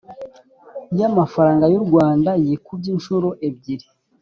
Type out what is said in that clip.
Y amafaranga y u rwanda yikubye inshuro ebyiri